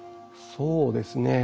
そうですね。